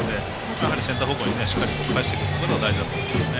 やはりセンター方向にしっかり返していくのが大事だと思いますね。